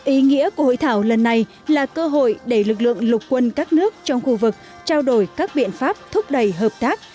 ý nghĩa của hội thảo lần này là cơ hội để lực lượng lục quân các nước trong khu vực trao đổi các biện pháp thúc đẩy hợp tác